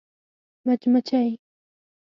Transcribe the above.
🐝 مچمچۍ